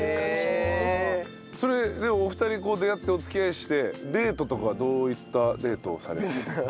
それでお二人出会ってお付き合いしてデートとかはどういったデートをされてたんですか？